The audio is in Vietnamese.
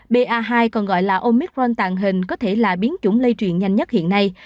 ba hai còn gọi là omicron tàn hình có thể là biến chủng lây truyền nhanh nhất hiện nay